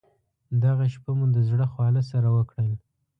دغه شپه مو د زړه خواله سره وکړل.